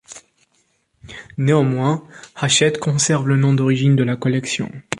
Néanmoins, Hachette conserve le nom d'origine de la collection.